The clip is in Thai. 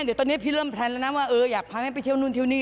เดี๋ยวตอนนี้พี่เริ่มแพลนแล้วนะว่าเอออยากพาแม่ไปเที่ยวนู่นเที่ยวนี่